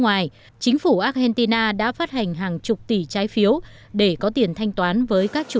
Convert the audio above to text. ngoài chính phủ argentina đã phát hành hàng chục tỷ trái phiếu để có tiền thanh toán với các chủ